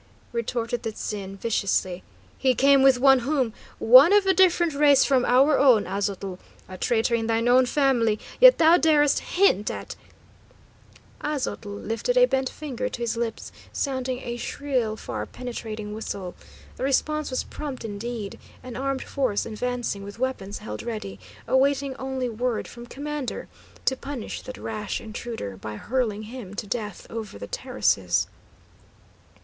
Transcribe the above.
retorted the 'Tzin, viciously. "He came with one whom one of a different race from our own, Aztotl! A traitor in thy own family, yet thou darest hint at " Aztotl lifted a bent finger to his lips, sounding a shrill, far penetrating whistle. The response was prompt indeed, an armed force advancing with weapons held ready, awaiting only word from commander to punish that rash intruder by hurling him to death over the terraces.